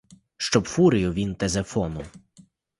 Щоб фурію він Тезифону